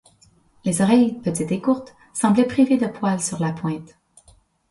Les oreilles, petites et courtes, semblaient privées de poils sur la pointe.